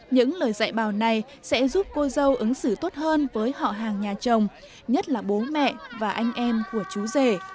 những lời dạy bào này sẽ giúp cô dâu ứng xử tốt hơn với họ hàng nhà chồng nhất là bố mẹ và anh em của chú rể